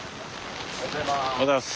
おはようございます。